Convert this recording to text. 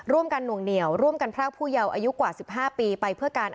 หน่วงเหนียวร่วมกันพรากผู้เยาว์อายุกว่า๑๕ปีไปเพื่อการ